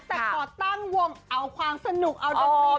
แต่ตั้งวงไปเอาความสนุกอย่างนี้